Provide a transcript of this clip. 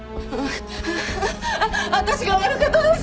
ああ私が悪かとです！